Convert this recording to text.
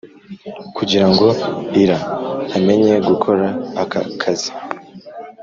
Kugira ngo Ira amenye gukora aka kazi,